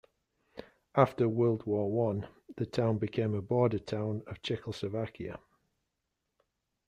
After World War One, the town became a border town of Czechoslovakia.